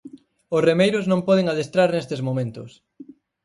Os remeiros non poden adestrar nestes momentos.